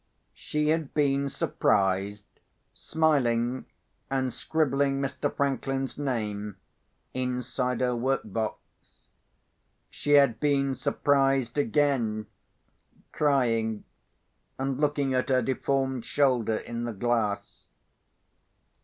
She had been surprised, smiling, and scribbling Mr. Franklin's name inside her workbox. She had been surprised again, crying and looking at her deformed shoulder in the glass.